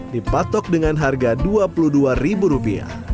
dipatok dengan harga rp dua puluh dua